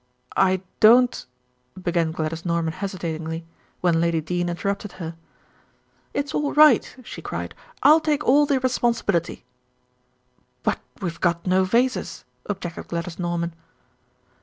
"I don't " began Gladys Norman hesitatingly, when Lady Dene interrupted her. "It's all right," she cried, "I'll take all the responsibility." "But we've got no vases," objected Gladys Norman.